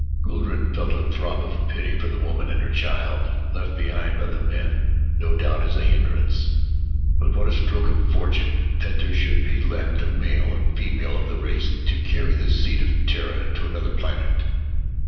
Guldran felt a throb of pity for the woman and her child, left behind by the men, no doubt, as a hindrance. But what a stroke of fortune that there should be left a male and female of the race to carry the seed of Terra to another planet.